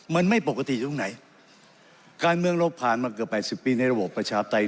มันไม่ปกติอยู่ตรงไหนการเมืองเราผ่านมาเกือบแปดสิบปีในระบบประชาปไตย